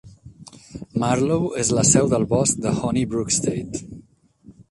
Marlow és la seu del bosc de Honey Brook State.